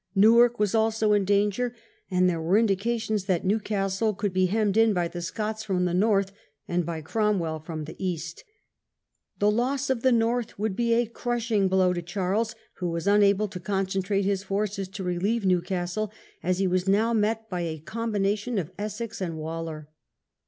Newark was Dangers in ^^^^" danger, and there were indications that the North and Newcastle would be hemmed in by the Scots centre. 1644. fro^ ^yie North and by Cromwell from the East. The loss of the North would be a crushing blow to Charles, who was unable to concentrate his forces to relieve Newcastle, as he was now met by a combination of Essex and Waller.